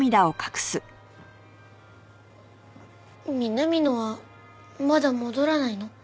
南野はまだ戻らないの？